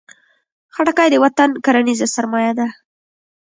خټکی د وطن کرنیزه سرمایه ده.